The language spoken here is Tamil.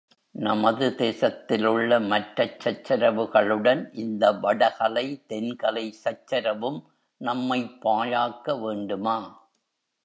நமது தேசத்திலுள்ள மற்றச் சச்சரவுகளுடன், இந்த வடகலை, தென்கலை சச்சரவும் நம்மைப் பாழாக்க வேண்டுமா!